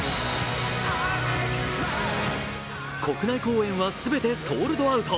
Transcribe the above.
国内公演はすべてソールドアウト。